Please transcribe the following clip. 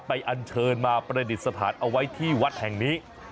อันเชิญมาประดิษฐานเอาไว้ที่วัดแห่งนี้